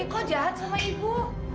kok jahat sama ibu